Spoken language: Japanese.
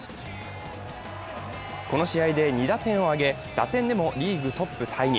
この試合で２打点を挙げ、打点でもリーグトップタイに。